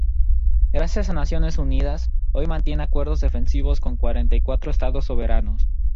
Gracias a Naciones Unidas, hoy mantiene acuerdos defensivos con cuarenta y cuatro estados soberanos.